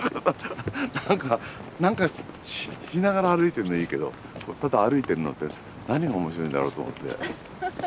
何か何かしながら歩いてんのはいいけどただ歩いてるのって何が面白いんだろうと思って。